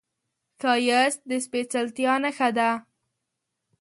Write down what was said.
ښایست د سپېڅلتیا نښه ده